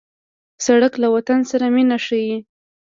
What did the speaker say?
سړک له وطن سره مینه ښيي.